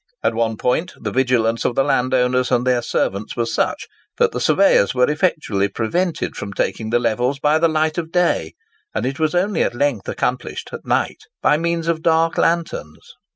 At one point the vigilance of the landowners and their servants was such, that the surveyors were effectually prevented taking the levels by the light of day; and it was only at length accomplished at night by means of dark lanterns.